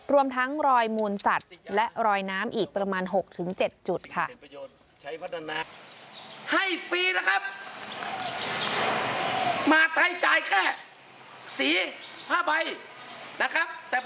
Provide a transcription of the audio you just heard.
รวมทั้งรอยมูลสัตว์และรอยน้ำอีกประมาณ๖๗จุดค่ะ